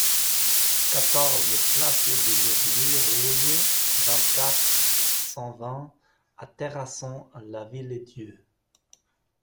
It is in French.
quatorze place des Lauriers Roses, vingt-quatre, cent vingt à Terrasson-Lavilledieu